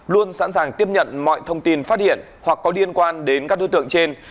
luôn sẵn sàng tiếp nhận mọi thông tin phát hiện hoặc có liên quan đến các đối tượng trên